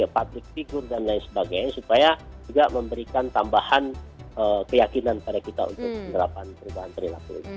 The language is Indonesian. public figure dan lain sebagainya supaya juga memberikan tambahan keyakinan pada kita untuk menerapkan perubahan perilaku